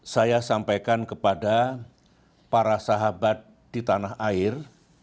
saya sampaikan kepada para sahabat di tanah air